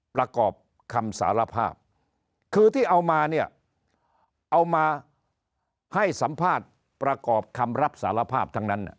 ประกอบคำสารภาพคือที่เอามาเนี่ยเอามาให้สัมภาษณ์ประกอบคำรับสารภาพทั้งนั้น